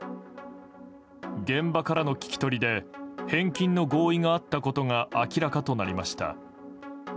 現場からの聞き取りで返金の合意があったことが明らかとなりました。